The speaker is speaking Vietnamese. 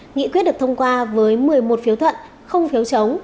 nghị quyết được thông qua với một mươi một phiếu thuận không phiếu chống